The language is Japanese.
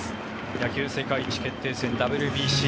野球世界一決定戦、ＷＢＣ。